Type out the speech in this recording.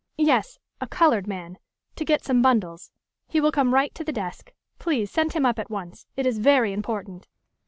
"Yes,... a colored man ... to get some bundles. He will come right to the desk ... please send him up at once ... It is very important."